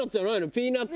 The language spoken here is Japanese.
ピーナツ。